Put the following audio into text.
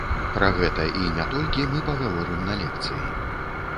Пра гэта і не толькі мы пагаворым на лекцыі.